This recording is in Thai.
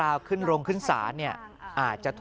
ค่ะขอบคุณมากค่ะ